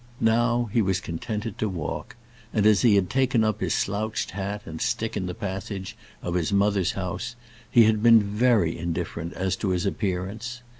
Now he was contented to walk; and as he had taken up his slouched hat and stick in the passage of his mother's house, he had been very indifferent as to his appearance.